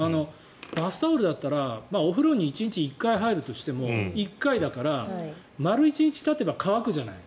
バスタオルだったらお風呂に１日１回入るとしても１回だから丸１日たてば乾くじゃない。